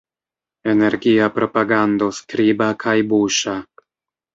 Energia propagando skriba kaj buŝa.